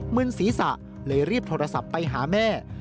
ึนศีรษะเลยรีบโทรศัพท์ไปหาแม่